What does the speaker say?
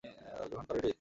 গ্রহণ করে নি।